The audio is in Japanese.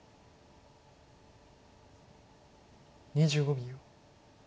２５秒。